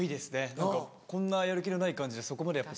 何かこんなやる気のない感じでそこまでやっぱ。